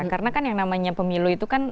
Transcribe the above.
karena kan yang namanya pemilu itu kan